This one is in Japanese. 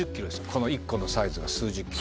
この１個のサイズが数十キロ